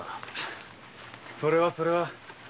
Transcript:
それはそれは。